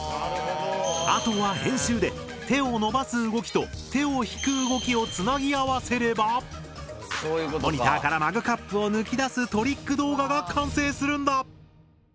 あとは編集で「手を伸ばす動き」と「手を引く動き」をつなぎ合わせればモニターからマグカップを抜き出すトリック動画が完成するんだ！